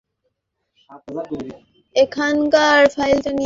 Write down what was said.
ওখানকার ফাইলটা নিয়ে আয়।